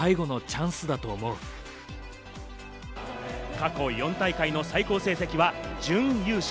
過去４大会の最高成績は準優勝。